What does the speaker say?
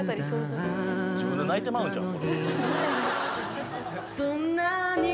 自分で泣いてまうんちゃう？